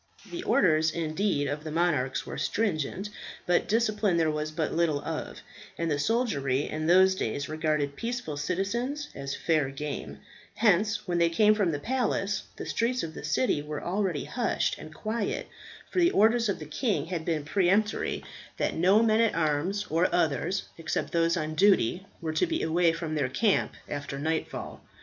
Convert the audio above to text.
The others indeed of the monarchs were stringent, but discipline there was but little of, and the soldiery in those days regarded peaceful citizens as fair game; hence, when they came from the palace the streets of the city were already hushed and quiet, for the orders of the king had been preemptory that no men at arms, or others except those on duty, were to be away from their camp after nightfall.